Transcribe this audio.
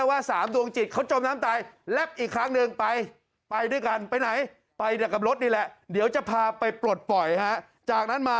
ยังไม่ชาครับ